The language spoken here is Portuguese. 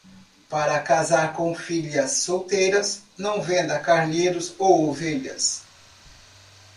Para casar com filhas solteiras, não venda carneiros ou ovelhas.